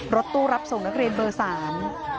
รถตู้รับส่งนักเรียนเบอร์สาม